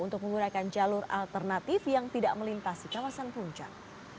untuk menggunakan jalur alternatif yang tidak melintasi kawasan puncak